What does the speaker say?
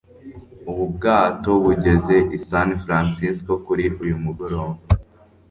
ubu bwato bugeze i san francisco kuri uyu mugoroba